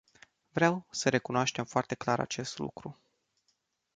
Vreau să recunoaștem foarte clar acest lucru.